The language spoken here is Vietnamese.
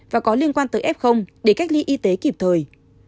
và có liên quan tới f để cách ly y tế kịp thời